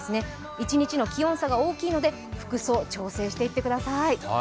一日の気温差が大きいので服装調整していってください。